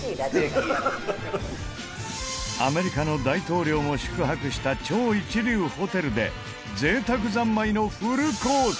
アメリカの大統領も宿泊した超一流ホテルで贅沢三昧のフルコース。